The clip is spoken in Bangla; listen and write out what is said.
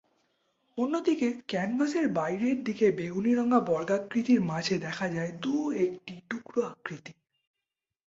অন্যদিকে, ক্যানভাসের বাইরের দিকে বেগুনিরঙা বর্গাকৃতির মাঝে দেখা যায় দু-একটি টুকরো আকৃতি।